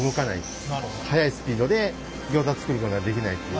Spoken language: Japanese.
速いスピードでギョーザ作ることができないっていう。